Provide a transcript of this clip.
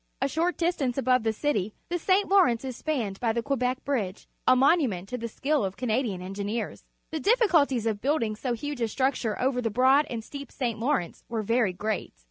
A short distance above the cit^^ the St. Lawrence is spanned by the Quebec Bridge, a monument to the skill of Canadian en gineers. The difficulties of building so huge a structure over the broad and deep St. Lawrence were very great.